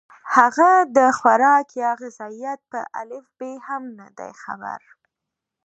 هغه د خوراک يا غذائيت پۀ الف ب هم نۀ دي خبر